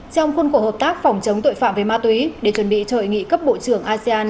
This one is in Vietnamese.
trong khuôn khổ hợp tác phòng chống tội phạm về ma túy để chuẩn bị cho hội nghị cấp bộ trưởng asean